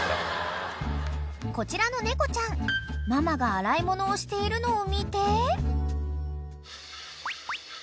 ［こちらの猫ちゃんママが洗い物をしているのを見て］